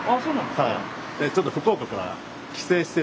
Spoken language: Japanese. はい。